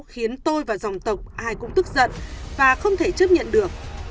khiến tôi và dòng tộc ai cũng tức giận và không thể chấp nhận được